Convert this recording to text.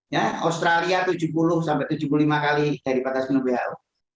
ya australia tujuh puluh tujuh puluh lima kali lipat dari batas minimum who